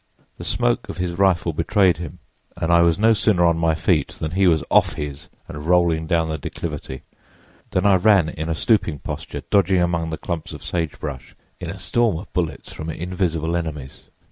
The smoke of his rifle betrayed him, and I was no sooner on my feet than he was off his and rolling down the declivity. Then I ran in a stooping posture, dodging among the clumps of sage brush in a storm of bullets from invisible enemies.